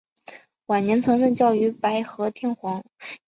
晚年曾任教于白河天皇。